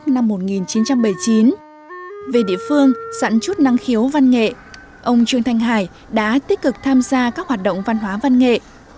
năm một nghìn chín trăm bảy mươi chín về địa phương sẵn chút năng khiếu văn nghệ ông trương thanh hải đã tích cực tham gia các hoạt động văn hóa văn nghệ